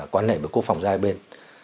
quan hệ về quốc phòng ra hai bên